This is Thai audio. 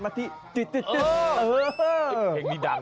น้าโมตัสตร์น้าโมตัสตร์พระสวัสดิ์โตสัมมาสัมพุทธศาสตร์